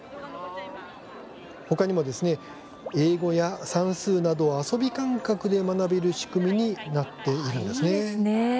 ほかにも、英語や算数などを遊び感覚で学べる仕組みにいいですね。